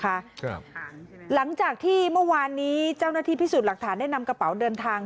ครับหลังจากที่เมื่อวานนี้เจ้าหน้าที่พิสูจน์หลักฐานได้นำกระเป๋าเดินทาง